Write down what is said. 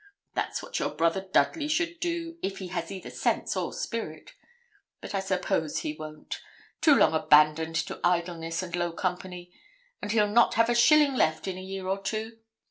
That's what your brother Dudley should do, if he has either sense or spirit; but I suppose he won't too long abandoned to idleness and low company and he'll not have a shilling left in a year or two.